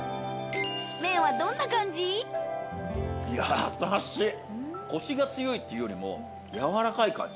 あとはトッピングのコシが強いっていうよりもやわらかい感じ。